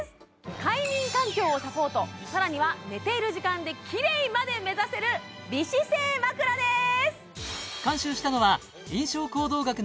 快眠環境をサポートさらには寝ている時間でキレイまで目指せる美姿勢まくらです！